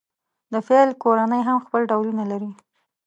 د فیل کورنۍ هم خپل ډولونه لري.